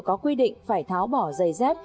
có quy định phải tháo bỏ giày dép